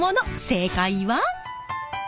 正解は。